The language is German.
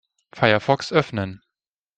Firefox öffnen.